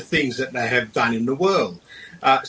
jadi saya pikir ini terlalu berat